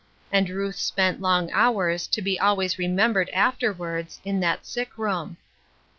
And Ruth spent long hours, to be always remembered afterwards, in that sick room.